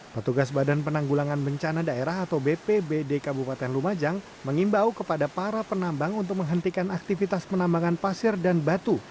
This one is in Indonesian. petugas badan penanggulangan bencana daerah atau bpbd kabupaten lumajang mengimbau kepada para penambang untuk menghentikan aktivitas penambangan pasir dan batu